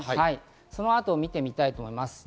そのあとを見てみたいと思います。